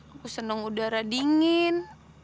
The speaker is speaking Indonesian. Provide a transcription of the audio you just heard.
aku seneng udara dingin